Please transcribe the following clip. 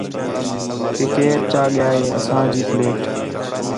کہ کیئر چا ڳِیا ہے اساں جی پلیٹ